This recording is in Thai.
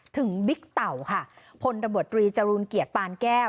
บิ๊กเต่าค่ะพลตำรวจตรีจรูลเกียรติปานแก้ว